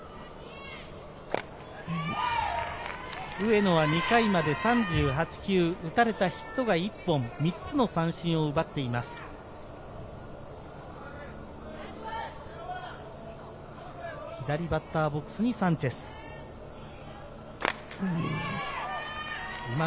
上野は２回まで３８球、打たれたヒットが１本、３つの三振を奪っています。